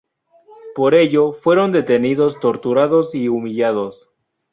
Por ello, fueron detenidos, torturados y humillados.